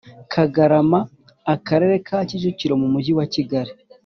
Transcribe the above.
kagarama akarere ka kicukiro mu mujyi wa kigali